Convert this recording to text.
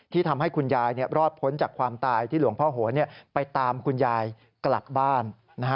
ทำให้คุณยายรอดพ้นจากความตายที่หลวงพ่อโหนไปตามคุณยายกลับบ้าน